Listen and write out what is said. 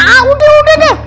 ah udah udah deh